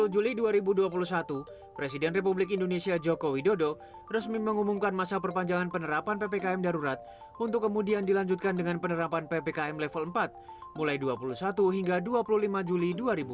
dua puluh juli dua ribu dua puluh satu presiden republik indonesia joko widodo resmi mengumumkan masa perpanjangan penerapan ppkm darurat untuk kemudian dilanjutkan dengan penerapan ppkm level empat mulai dua puluh satu hingga dua puluh lima juli dua ribu dua puluh